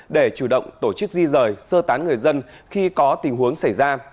để chủ động tổ chức di rời sơ tán người dân khi có tình huống xảy ra